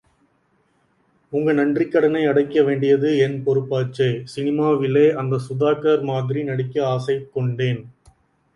உங்க நன்றிக் கடனை அடைக்க வேண்டியது என் பொறுப்பாச்சே... சினிமாவிலே அந்த சுதாகர் மாதிரி நடிக்க ஆசை கொண்டேன்.